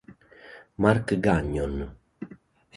Marc Gagnon